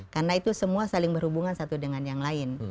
karena itu semua saling berhubungan satu dengan yang lain